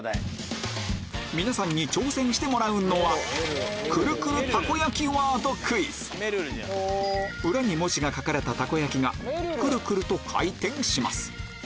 皆さんに挑戦してもらうのは裏に文字が書かれたたこ焼きがクルクルと回転します